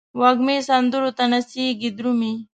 وږمې سندرو ته نڅیږې درومې